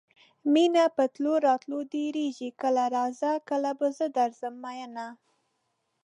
مینه په تلو راتلو ډیریږي کله راځه کله به زه درځم میینه